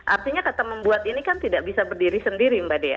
artinya kata membuat ini kan tidak bisa berdiri sendiri mbak dea